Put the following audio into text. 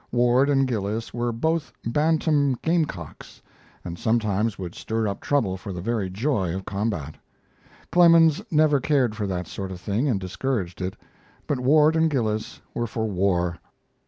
Ward and Gillis were both bantam game cocks, and sometimes would stir up trouble for the very joy of combat. Clemens never cared for that sort of thing and discouraged it, but Ward and Gillis were for war.